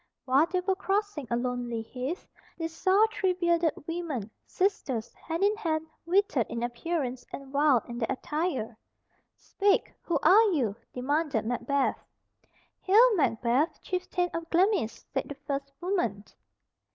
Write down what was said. While they were crossing a lonely heath, they saw three bearded women, sisters, hand in hand, withered in appearance and wild in their attire. "Speak, who are you?" demanded Macbeth. "Hail, Macbeth, chieftain of Glamis," said the first woman.